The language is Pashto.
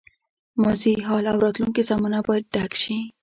ماضي، حال او راتلونکې زمانه باید ډک شي.